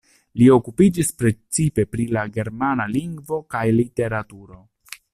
Li okupiĝis precipe pri la germana lingvo kaj literaturo.